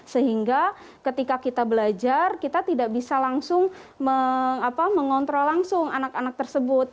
sehingga ketika kita belajar kita tidak bisa langsung mengontrol langsung anak anak tersebut